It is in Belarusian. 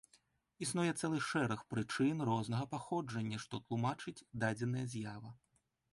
Існуе цэлы шэраг прычын рознага паходжання, што тлумачаць дадзеная з'ява.